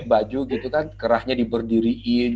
baju gitu kan kerahnya diberdiriin